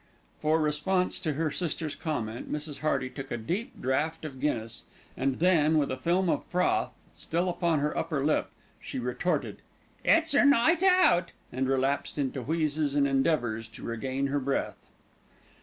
For response to her sister's comment, Mrs. Hearty took a deep draught of Guinness and then, with a film of froth still upon her upper lip, she retorted, "It's 'er night out," and relapsed into wheezes and endeavours to regain her breath.